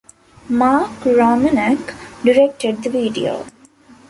Mark Romanek directed the video.